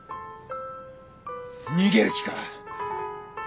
逃げる気か？